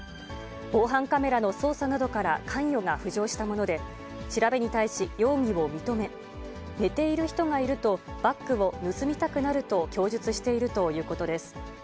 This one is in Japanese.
防犯カメラの捜査などから関与が浮上したもので、調べに対し、容疑を認め、寝ている人がいると、バッグを盗みたくなると供述しているということです。